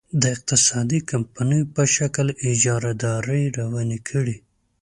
د اقتصادي کمپنیو په شکل اجارادارۍ روانې کړي.